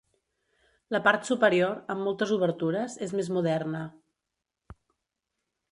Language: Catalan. La part superior, amb moltes obertures, és més moderna.